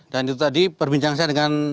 dan itu tadi perbincang saya dengan mura aris